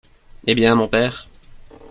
Eh bien, mon père ?